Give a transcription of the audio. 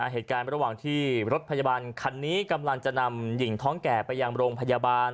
เหตุการณ์ระหว่างที่รถพยาบาลคันนี้กำลังจะนำหญิงท้องแก่ไปยังโรงพยาบาล